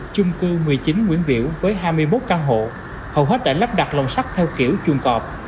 chung cư một mươi chín nguyễn viễu với hai mươi một căn hộ hầu hết đã lắp đặt lồng sắt theo kiểu chuồng cọp